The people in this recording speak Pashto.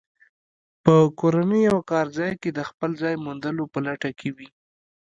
په کورنۍ او کارځای کې د خپل ځای موندلو په لټه کې وي.